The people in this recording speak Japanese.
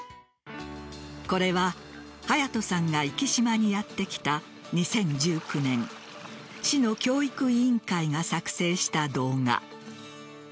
これは、隼都さんが壱岐島にやってきた２０１９年市の教育委員会が作成した動画。